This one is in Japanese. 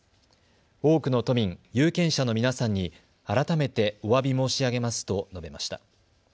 多くの都民、有権者の皆さんに改めておわび申し上げますと述べました。